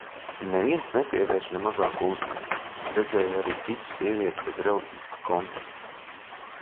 Neviens nepievērš ne mazāko uzmanību. Redzēju arī citu sievieti bez reliģiska konteksta.